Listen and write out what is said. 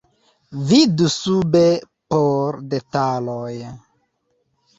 Vidu sube por detaloj.